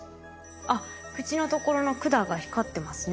あっ口のところの管が光ってますね。